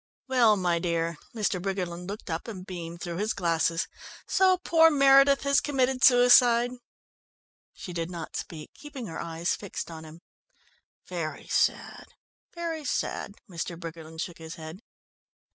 "Well, my dear," Mr. Briggerland looked up and beamed through his glasses, "so poor Meredith has committed suicide?" She did not speak, keeping her eyes fixed on him. "Very sad, very sad," Mr. Briggerland shook his head.